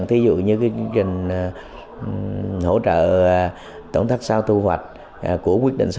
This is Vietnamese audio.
thí dụ như chương trình hỗ trợ tổng thác sao thu hoạch của quyết định sáu mươi tám